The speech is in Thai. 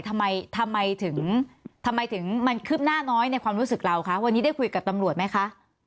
ทำไมถึงมันคึบหน้าน้อยในความรู้สึกเราคะวันนี้ได้คุยกับตำรวจไหมคะ